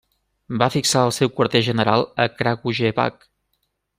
Va fixar el seu quarter general en Kragujevac.